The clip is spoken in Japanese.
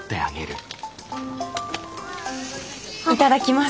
いただきます。